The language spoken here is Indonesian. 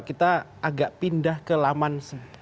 kita agak pindah ke laman